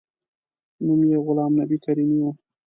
نوم یې غلام نبي کریمي و.